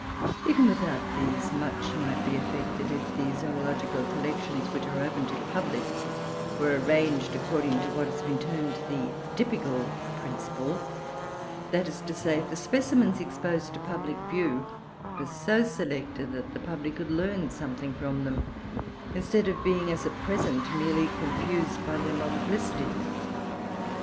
Even without these, much might be effected, if the zoological collections, which are open to the public, were arranged according to what has been termed the "typical principle"; that is to say, if the specimens exposed to public view were so selected that the public could learn something from them, instead of being, as at present, merely confused by their multiplicity.